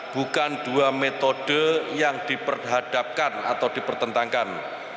bukan dua metode yang diperhadapkan atau dipertentangkan